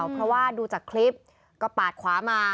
เพราะว่าดูจากคลิปก็ปาดขวามา